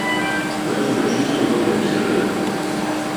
Вежба је чисто војне природе.